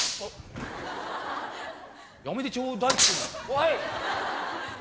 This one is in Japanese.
おい。